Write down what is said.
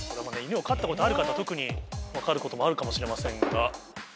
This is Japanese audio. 犬を飼ったことある方特に分かることもあるかもしれませんが。